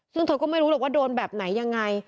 ซึ่งเธอก็ไม่รู้หรอกว่าโดนแบบไหนยังไง